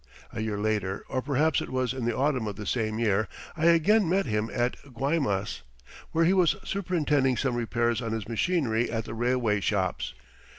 A year later, or perhaps it was in the autumn of the same year, I again met him at Guaymas, where he was superintending some repairs on his machinery at the railway shops.